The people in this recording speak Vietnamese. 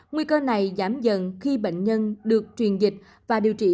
nguy cơ này giảm dần khi bệnh nhân được truyền dịch và điều trị